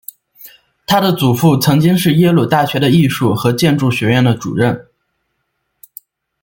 她的祖父曾经是耶鲁大学的艺术和建筑学院的主任。